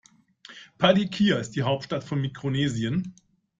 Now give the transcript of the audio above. Palikir ist die Hauptstadt von Mikronesien.